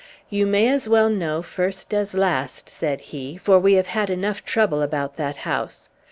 "You may as well know first as last," said he, "for we have had enough trouble about that house.